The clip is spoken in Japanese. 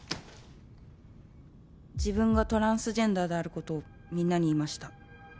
「自分がトランスジェンダーであることをみんなに言いました」